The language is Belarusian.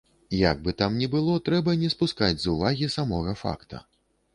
Як бы там ні было, трэба не спускаць з увагі самога факта.